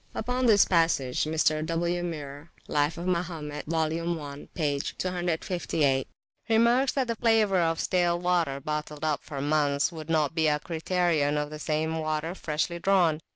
Upon this passage Mr. W. Muir (Life of Mahomet, vol. i, p. cclviii.) remarks that the flavour of stale water bottled up for months would not be a criterion of the same water freshly drawn.